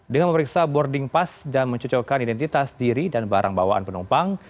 dengan memeriksa boarding pass dan mencocokkan identitas diri dan barang bawaan penumpang